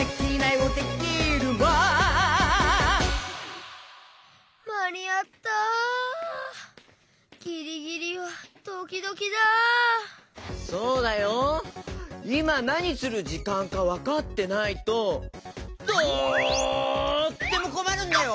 いまなにするじかんかわかってないととってもこまるんだよ？